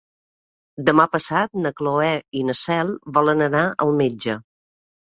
Demà passat na Cloè i na Cel volen anar al metge.